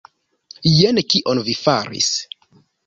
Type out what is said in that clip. Jen kion vi faris.